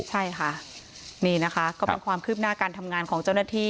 ใช่ค่ะนี่นะคะก็เป็นความคืบหน้าการทำงานของเจ้าหน้าที่